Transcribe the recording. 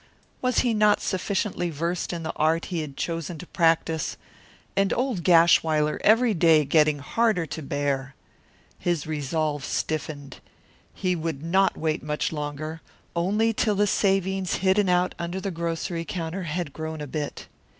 Was he not sufficiently versed in the art he had chosen to practise? And old Gashwiler every day getting harder to bear! His resolve stiffened. He would not wait much longer only until the savings hidden out under the grocery counter had grown a bit.